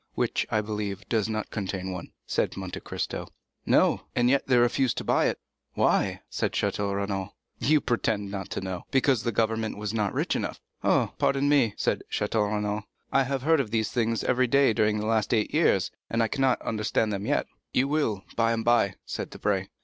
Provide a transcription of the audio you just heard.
"Which, I believe, does not contain one?" said Monte Cristo. "No; and yet they refused to buy it." "Why?" said Château Renaud. "You pretend not to know,—because government was not rich enough." "Ah, pardon me," said Château Renaud; "I have heard of these things every day during the last eight years, and I cannot understand them yet." "You will, by and by," said Debray.